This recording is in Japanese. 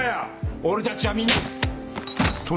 俺たちはみんな。